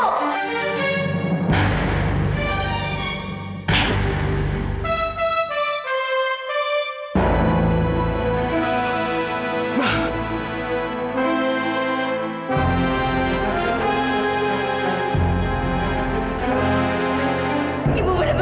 sudah tiga minggu ibu ketemu